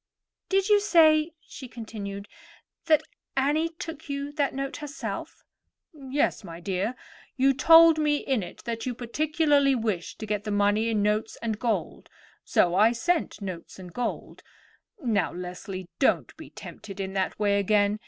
"Did you say," she continued, "that Annie took you that note herself?" "Yes, my dear. You told me in it that you particularly wished to get the money in notes and gold; so I sent notes and gold. Now, Leslie, don't be tempted in that way again.